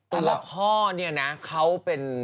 ตัวพ่อเนี่ยนะเขาเป็น